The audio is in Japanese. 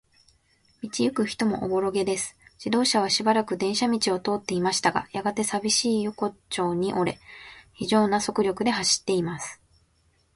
道ゆく人もおぼろげです。自動車はしばらく電車道を通っていましたが、やがて、さびしい横町に折れ、ひじょうな速力で走っています。